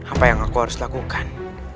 apa yang aku harus lakukan